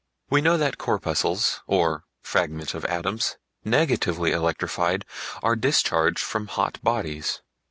We know that corpuscles, or "fragments of atoms" negatively electrified, are discharged from hot bodies.